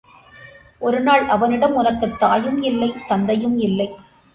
ஒருநாள் அவனிடம் உனக்குத் தாயும் இல்லை, தந்தையும் இல்லை.